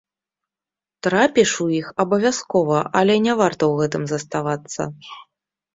Трапіш у іх абавязкова, але не варта ў гэтым заставацца.